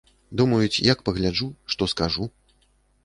Думаюць, як пагляджу, што скажу.